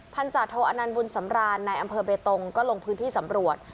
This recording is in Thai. พันธาโทอนันต์บุญสำรานในอำเภอเบตงก็ลงพื้นที่สำรวจ